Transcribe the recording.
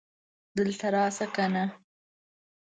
دلته راشه کنه